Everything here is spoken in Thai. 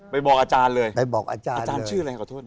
ไปบอกอาจารย์เลยอาจารย์ชื่ออะไรขอโทษนะ